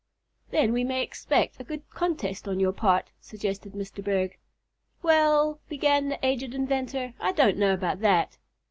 "Then we may expect a good contest on your part," suggested Mr. Berg. "Well," began the aged inventor, "I don't know about that."